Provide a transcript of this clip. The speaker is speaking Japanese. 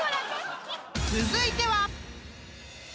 ［続いては］